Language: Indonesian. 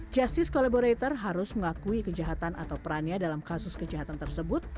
justice collaborator harus mengakui kejahatan atau perannya dalam kasus kejahatan tersebut